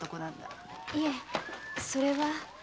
いえそれは。